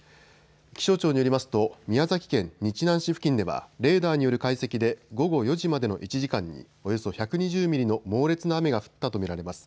気象庁によりますと、宮崎県日南市付近ではレーダーによる解析で、午後４時までの１時間に、およそ１２０ミリの猛烈な雨が降ったと見られます。